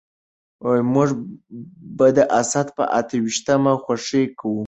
موږ به د اسد په اته ويشتمه خوښي کوو.